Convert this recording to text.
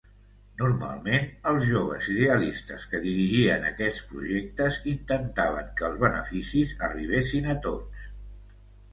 Normalment, els joves idealistes que dirigien aquests projectes intentaven que els beneficis arribessin a tots.